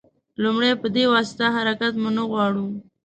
لومړی په دې واسطه حرکت مو نه غواړو.